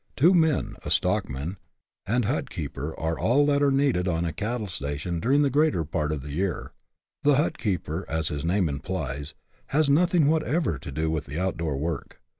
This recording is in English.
Two men, a stock man and " hut keeper," are all that are needed on a cattle station during the greater part of the year. The hut keeper, as his name implies, has nothing whatever to do with the out door work.